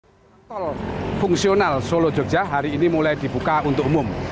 jalan tol fungsional solo jogja hari ini mulai dibuka untuk umum